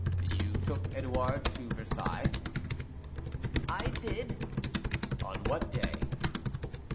"You took Edouard to Versailles?" "I did." "On what day?"